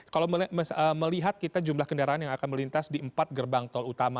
kalau melihat kita jumlah kendaraan yang akan melintas di empat gerbang tol utama